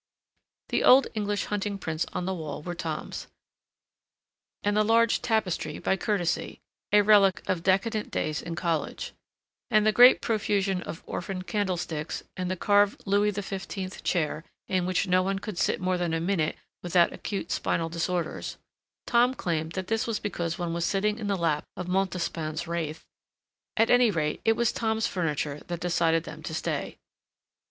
The old English hunting prints on the wall were Tom's, and the large tapestry by courtesy, a relic of decadent days in college, and the great profusion of orphaned candlesticks and the carved Louis XV chair in which no one could sit more than a minute without acute spinal disorders—Tom claimed that this was because one was sitting in the lap of Montespan's wraith—at any rate, it was Tom's furniture that decided them to stay.